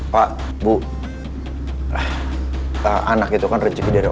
pak bu anak itu kan recepi dari omah